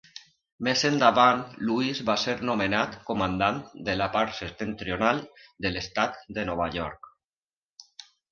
Més endavant, Lewis va ser nomenat comandant de la part septentrional de l'Estat de Nova York.